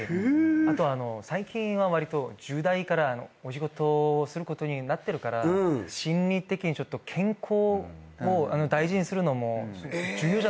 あとは最近は１０代からお仕事することになってるから心理的に健康を大事にするのも重要じゃないですか。